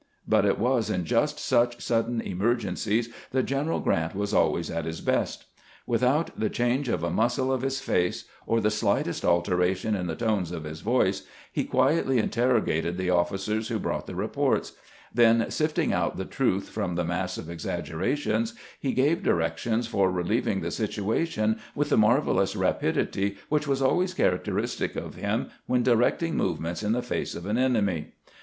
But it was in just such sudden emergencies that General Grant was always at his best. Without the change of a muscle of his face, or the slightest alteration in the tones of his voice, he quietly interrogated the officers who brought the reports ; then, sifting out the truth from the mass of exaggerations, he gave directions for relieving the situation with the marvelous rapidity which was always characteristic of him when directing movements in the face of an enemy.